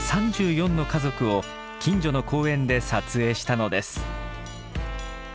３４の家族を近所の公園で撮影したのです。